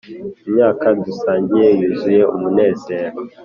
imyaka dusangiye yuzuye umunezero.